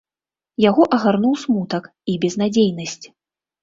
Яго агарнуў смутак і безнадзейнасць.